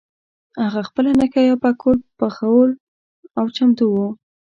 هغه خپله نښه یا پکول پخول او چمتو وو.